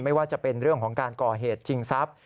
ไม่ว่าจะเป็นเรื่องของการก่อเหตุจิงทรัพย์